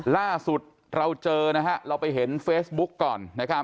ล่าสุดเราเจอนะฮะเราไปเห็นเฟซบุ๊กก่อนนะครับ